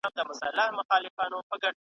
خوار چي موړ سي مځکي ته نه ګوري .